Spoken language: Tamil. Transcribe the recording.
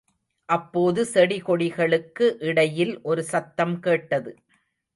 அப்போது, செடிகொடிகளுக்கு இடையில் ஒரு சத்தம் கேட்டது.